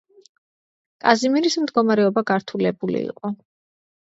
კაზიმირის მდგომარეობა გართულებული იყო.